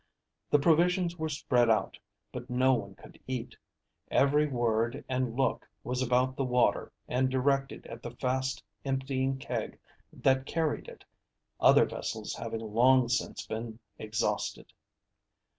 The provisions were spread out, but no one could eat. Every word and look was about the water and directed at the fast emptying keg that carried it, other vessels having long since been exhausted.